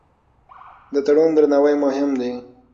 د تړون درناوی مهم دی.